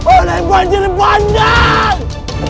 oleh banjir bandang